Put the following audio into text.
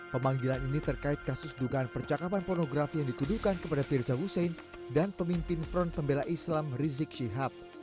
pemanggilan ini terkait kasus dugaan percakapan pornografi yang dituduhkan kepada firza husein dan pemimpin front pembela islam rizik syihab